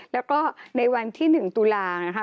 แล้วก็ในวันที่๑ตุลานะคะ